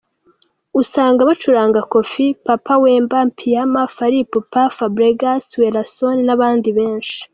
Usanga bacuranga Koffi , Papa Wemba ,Mpiana ,Fally Ipupa, Fabregas, Wellasoni n’abandi benshi.